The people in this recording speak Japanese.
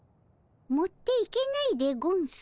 持っていけないでゴンス？